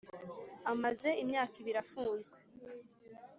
Amaze imyaka ibiri afunzwe